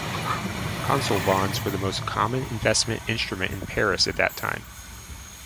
Consol bonds were the most common investment instrument in Paris at that time.